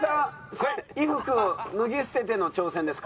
それ衣服脱ぎ捨てての挑戦ですか？